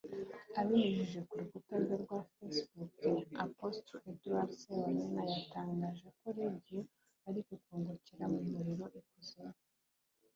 Abinyujije ku rukuta rwe rwa Facebook Apostle Edward Ssewanyana yatangaje ko Radio ari gukongokera mu muriro i kuzimu